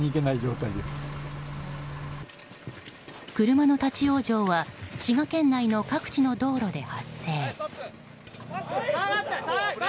車の立ち往生は滋賀県内の各地の道路で発生。